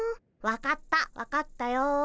分かった分かったよ。